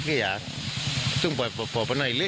เป็นรุ่นเป็นบอยนี้เลย